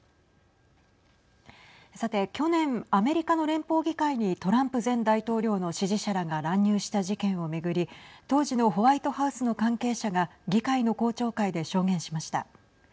さて去年アメリカの連邦議会にトランプ前大統領の支持者らが乱入した事件を巡り当時のホワイトハウスの関係者が議会の公聴会で証言しました。